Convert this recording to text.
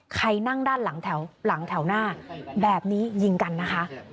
ใครนั่งด้านหลังแถวหลังแถวหน้าแบบนี้ยิงกันนะคะ